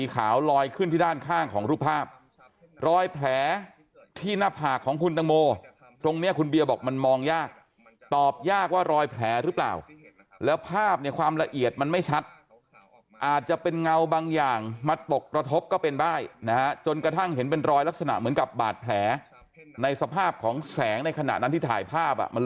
ขาวลอยขึ้นที่ด้านข้างของรูปภาพรอยแผลที่หน้าผากของคุณตังโมตรงนี้คุณเบียบอกมันมองยากตอบยากว่ารอยแผลหรือเปล่าแล้วภาพเนี่ยความละเอียดมันไม่ชัดอาจจะเป็นเงาบางอย่างมาตกกระทบก็เป็นได้นะฮะจนกระทั่งเห็นเป็นรอยลักษณะเหมือนกับบาดแผลในสภาพของแสงในขณะนั้นที่ถ่ายภาพอ่ะมัน